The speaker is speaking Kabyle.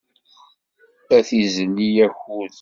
Ad izelli akud.